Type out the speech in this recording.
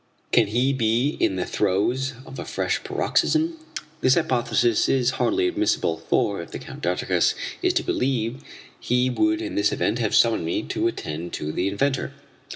Can he be in the throes of a fresh paroxysm? This hypothesis is hardly admissible, for if the Count d'Artigas is to be believed, he would in this event have summoned me to attend to the inventor.